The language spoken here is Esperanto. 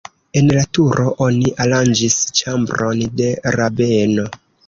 En la turo oni aranĝis ĉambron de rabeno.